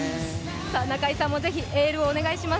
中居さんもぜひ、エールをお願いします。